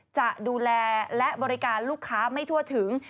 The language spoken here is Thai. จะดูแลและบริการลูกค้าไม่ทั่วถึง